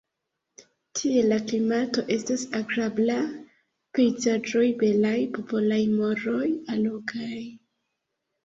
Tie la klimato estas agrabla, pejzaĝoj belaj, popolaj moroj allogaj.